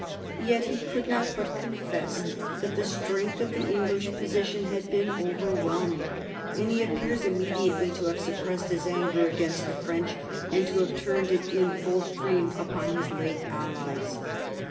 Yet he could not but confess that the strength of the English position had been overwhelming, and he appears immediately to have suppressed his anger against the French, and to have turned it in full stream upon his late allies.